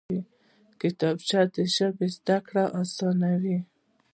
کتابچه د ژبې زده کړه اسانوي